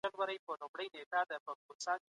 د زکات پروسه باید غریبو خلګو ته کفايت وکړي.